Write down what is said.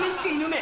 め？